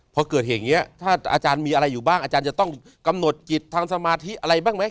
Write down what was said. พอเกิดเหตุอย่างนี้ถ้าอาจารย์มีอะไรอยู่บ้างอาจารย์จะต้องกำหนดจิตทางสมาธิอะไรบ้างไหม